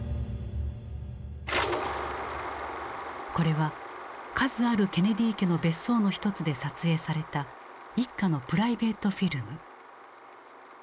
これは数あるケネディ家の別荘の一つで撮影された一家のプライベートフィルム。